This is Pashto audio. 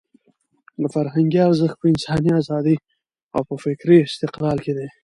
د فرهنګ ارزښت په انساني ازادۍ او په فکري استقلال کې دی.